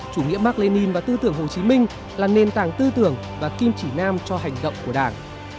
chủ nghĩa mark lenin và tư tưởng hồ chí minh là nền tảng tư tưởng và kim chỉ nam cho hành động của đảng